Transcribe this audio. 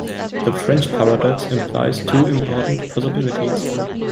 The French paradox implies two important possibilities.